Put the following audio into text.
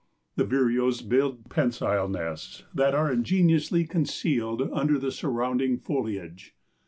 The vireos build pensile nests that are ingeniously concealed under the surrounding foliage.